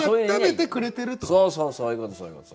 そうそうそういうことそういうこと。